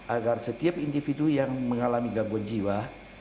agar setiap individu yang mengalami gangguan jiwa